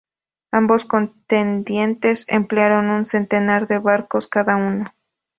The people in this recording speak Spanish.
Ambos contendientes emplearon un centenar de barcos cada uno.